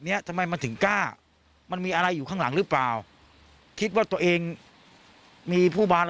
เนี้ยทำไมมันถึงกล้ามันมีอะไรอยู่ข้างหลังหรือเปล่าคิดว่าตัวเองมีผู้บาน